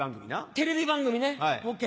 テレビ番組ねＯＫ。